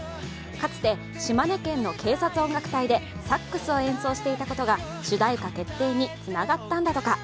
かつて島根県の警察音楽隊でサックスを演奏していたことが主題歌決定につながったんだとか。